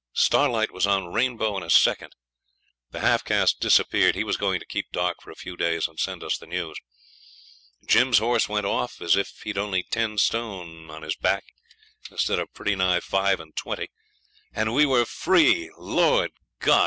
Starlight was on Rainbow in a second. The half caste disappeared, he was going to keep dark for a few days and send us the news. Jim's horse went off as if he had only ten stone on his back instead of pretty nigh five and twenty. And we were free! Lord God!